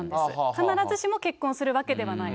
必ずしも結婚するわけではない。